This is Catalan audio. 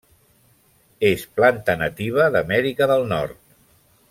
És planta nativa d'Amèrica del Nord.